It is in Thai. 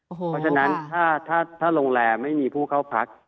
เพราะฉะนั้นถ้าโรงแรมไม่มีผู้เข้าพัก